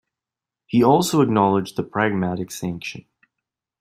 He also acknowledged the Pragmatic Sanction.